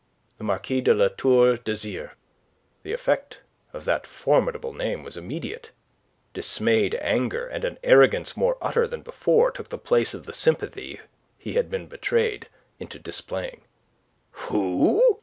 "The Marquis de La Tour d'Azyr." The effect of that formidable name was immediate. Dismayed anger, and an arrogance more utter than before, took the place of the sympathy he had been betrayed into displaying. "Who?"